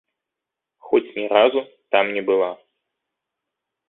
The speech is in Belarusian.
Хоць ні разу там не была.